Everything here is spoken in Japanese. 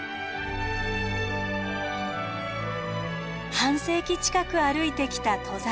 半世紀近く歩いてきた登山道。